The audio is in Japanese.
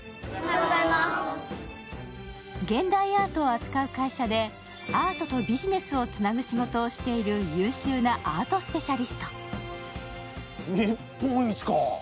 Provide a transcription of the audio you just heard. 現代アートを扱う会社でアートとビジネスをつなぐ仕事をしている優秀なアートスペシャリスト。